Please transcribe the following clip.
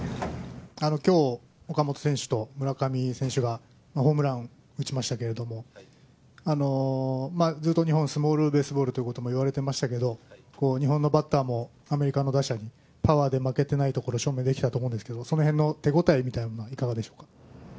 きょう、岡本選手と村上選手がホームランを打ちましたけれども、ずっと日本、スモールベースボールということも言われてましたけれども、日本のバッターもアメリカの打者にパワーで負けてないところを証明できたと思うんですけれども、そのへんの手応えみたいなものはいかがでしょうか？